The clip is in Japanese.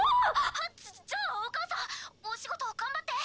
あっじゃあお母さんお仕事頑張って。